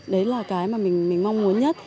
đấy là cái mà mình mong muốn nhất